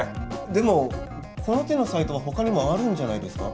でもこの手のサイトは他にもあるんじゃないですか？